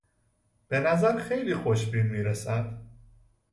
به نظر خیلی خوشبین میرسید.